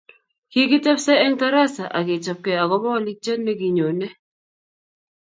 Kikitebse eng tarasa akechopkei akopa walutiet nekinyone